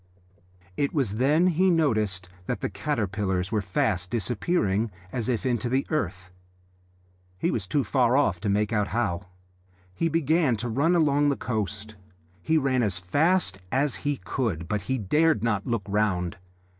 It was then he noticed that the caterpillars were fast disappearing, as if into the earth: he was too far off to make out how. He began to run along the coast. He ran as fast as he could, but he dared not look round.